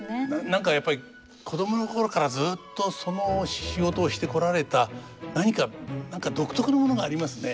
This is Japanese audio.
何かやっぱり子供の頃からずっとその仕事をしてこられた何か何か独特のものがありますね。